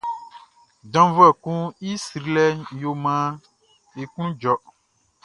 Djavuɛ kun i srilɛʼn yo maan e klun jɔ.